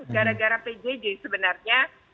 gara gara pjj sebenarnya